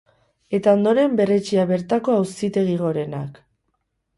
Eta ondoren berretsia bertako Auzitegi Gorenak.